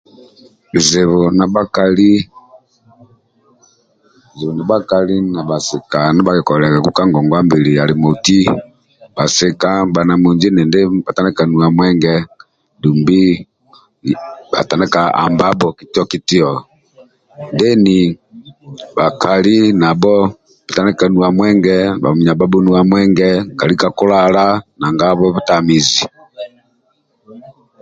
Bizibu ndia bhakali na bhasika ndia bhakikoliliagaku ka ngongwa mbili ali moti bhasika bhanamunji endindi bhatandika nuwa mwenge dumbi bhatandika hambabho kitio-kitio deni bhakali nabho bhatandika nuwa mwenge bhamunyabhabho nuwa mwenge nkali kakilala nanga havwa butamizi